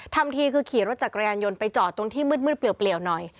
ทำทีคือขี่รถจักรยานยนต์ไปจอดตรงที่มืดเปลี่ยวหน่อย